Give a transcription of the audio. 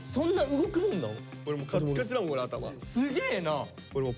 すげえな！